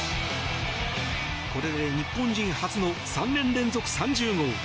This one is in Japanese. これで日本人初の３年連続３０号。